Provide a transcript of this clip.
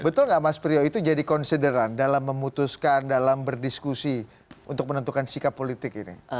betul nggak mas priyo itu jadi konsideran dalam memutuskan dalam berdiskusi untuk menentukan sikap politik ini